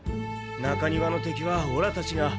中庭の敵はオラたちが。